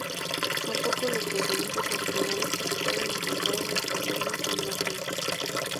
Son pocos los contenidos originales que se pueden encontrar en los tablones de imágenes.